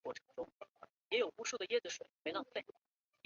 王子雀鲷为辐鳍鱼纲鲈形目隆头鱼亚目雀鲷科雀鲷属的鱼类。